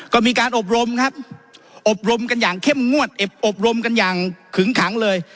ก็มีการอบรมครับอบรมกันอย่างเข้มงวดอบรมกันอย่างขึงขังเลย